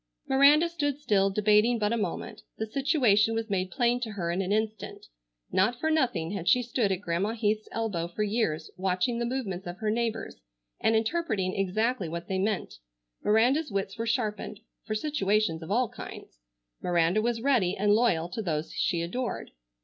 Miranda stood still debating but a moment. The situation was made plain to her in an instant. Not for nothing had she stood at Grandma Heath's elbow for years watching the movements of her neighbors and interpreting exactly what they meant. Miranda's wits were sharpened for situations of all kinds. Miranda was ready and loyal to those she adored.